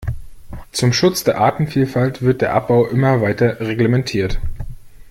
Zum Schutz der Artenvielfalt wird der Abbau immer weiter reglementiert.